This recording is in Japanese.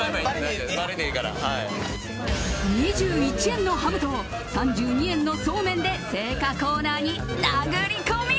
２１円のハムと３２円のそうめんで青果コーナーに殴り込み。